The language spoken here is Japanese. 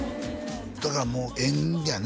だからもう縁やね